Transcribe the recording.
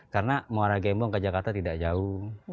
karena muara gembang ke jakarta tidak jauh